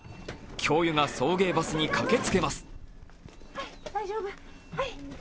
教諭が送迎バスに駆けつけます。